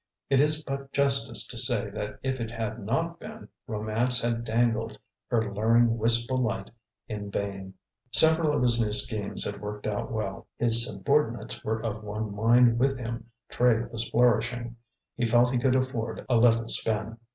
It is but justice to say that if it had not been, Romance had dangled her luring wisp o' light in vain. Several of his new schemes had worked out well, his subordinates were of one mind with him, trade was flourishing. He felt he could afford a little spin.